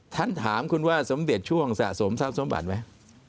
ถามคุณว่าสมเด็จช่วงสะสมทรัพย์สมบัติไหม